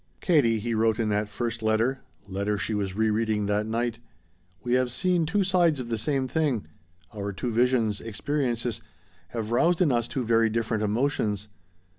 "Katie," he wrote in that first letter, letter she was re reading that night, "we have seen two sides of the same thing. Our two visions, experiences, have roused in us two very different emotions.